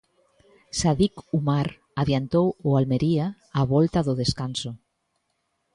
Sadiq Umar adiantou o Almería á volta do descanso.